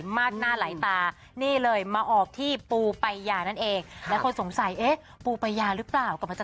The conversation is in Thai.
มาออกที่ปูปัยานั่นเองและคนสงสัยเอ๊ะปวุปัยาหรือเปล่ากลับมาจาก